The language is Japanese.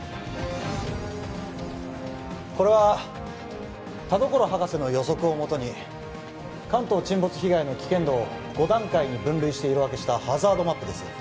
これは田所博士の予測を基に関東沈没被害の危険度を５段階に分類して色分けしたハザードマップです